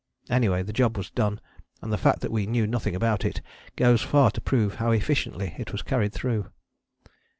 Anyway the job was done, and the fact that we knew nothing about it goes far to prove how efficiently it was carried through.